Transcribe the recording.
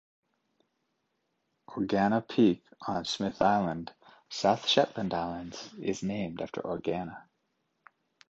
Organa Peak on Smith Island, South Shetland Islands is named after Organa.